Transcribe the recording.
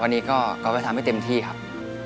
วันนี้ก็ไปทำให้เต็มที่ครับ